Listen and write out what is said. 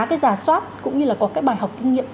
cái giả soát cũng như là có cái bài học kinh nghiệm